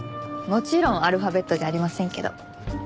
もちろんアルファベットじゃありませんけど。